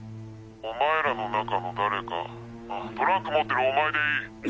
お前らの中の誰かトランク持ってるお前でいい。